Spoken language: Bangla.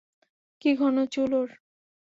কি ঘন চুল ওর।